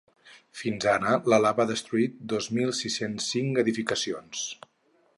Fins ara la lava ha destruït dos mil sis-cents cinc edificacions.